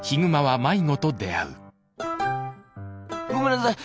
ごめんなさい。